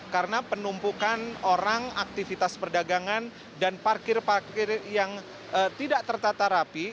karena penumpukan orang aktivitas perdagangan dan parkir parkir yang tidak tertata rapi